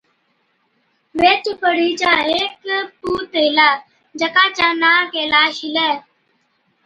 ويهچ پوڙهِي چا هيڪ پُوت هِلا، جڪا چَي نان ڪيلاش هِلَي۔